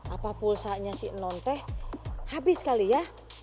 apa pulsanya si non teh habis kali ya